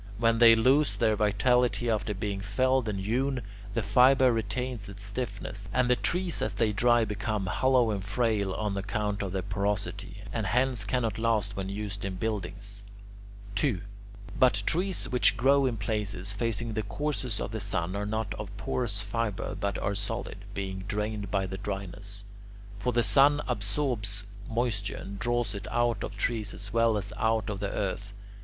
When they lose their vitality after being felled and hewn, the fibre retains its stiffness, and the trees as they dry become hollow and frail on account of their porosity, and hence cannot last when used in buildings. 2. But trees which grow in places facing the course of the sun are not of porous fibre but are solid, being drained by the dryness; for the sun absorbs moisture and draws it out of trees as well as out of the earth.